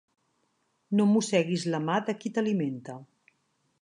No mosseguis la mà de qui t'alimenta.